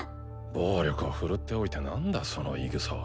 暴力を振るっておいてなんだその言いぐさは。